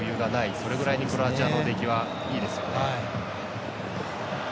それぐらいにクロアチアの出来はいいですよね。